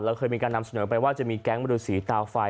เคยมีการนำเสนอไปว่าจะมีแก๊งบริษีตาไฟ